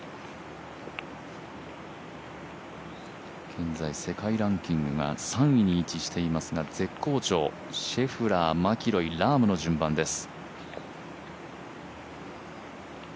現在世界ランキングが３位に位置していますが絶好調、シェフラーマキロイ、ラームの順番です。